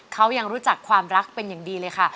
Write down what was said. เขายังรู้จักความรักเป็นอย่างดีเลยค่ะ